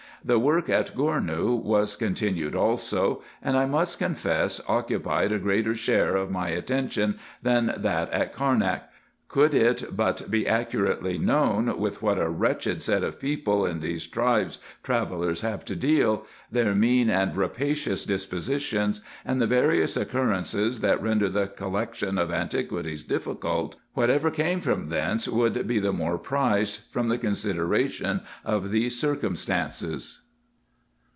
The work at Gournou was continued also ; and 1 must confess occupied a greater share of my attention than that at Carnak. Could it but be accurately known, with what a wretched set of people in these tribes travellers have to deal, their mean and rapacious dispositions, and the various occurrences that render the collection of antiquities difficult, whatever came from thence would be the more prized, from the consideration of these circumstances.